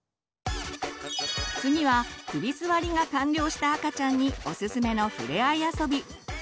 次は首すわりが完了した赤ちゃんにおすすめのふれあい遊び。